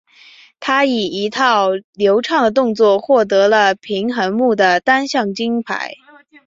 她以一套流畅的动作获得了平衡木的单项金牌。